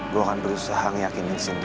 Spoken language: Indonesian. gue akan berusaha ngeyakinin cindy